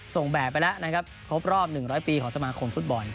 แบบไปแล้วนะครับครบรอบ๑๐๐ปีของสมาคมฟุตบอล